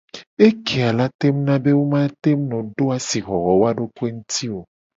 Ekeya la tengu na be wo mu la no do asixoxo woa dokoe nguti o.